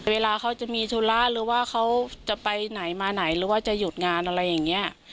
เวลาเขาจะมีธุระหรือว่าเขาจะไปไหนมาไหนหรือว่าจะหยุดงานอะไรอย่างนี้